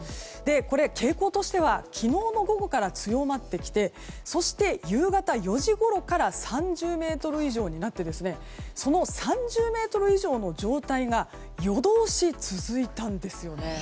これ、傾向としては昨日の午後から強まってきてそして、夕方４時ごろから３０メートル以上になってその３０メートル以上の状態が夜通し続いたんです。